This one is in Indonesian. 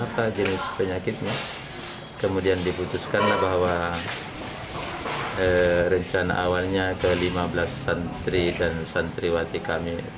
terima kasih penyakitnya kemudian diputuskan bahwa rencana awalnya ke lima belas santri dan santriwati kami